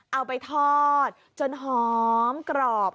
เอาไปทอดจนหอมกรอบ